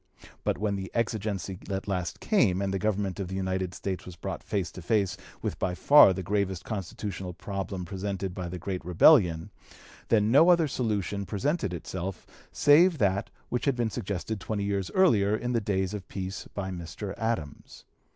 But when the exigency at last came, and the government of the United States was brought face to face with by far the gravest constitutional problem presented by the great rebellion, then no other solution presented itself save that which had been suggested twenty years earlier in the days of peace by Mr. Adams.